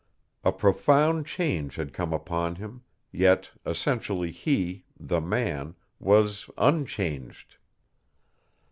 A profound change had come upon him, yet essentially he, the man, was unchanged.